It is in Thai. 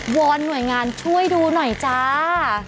อนหน่วยงานช่วยดูหน่อยจ้า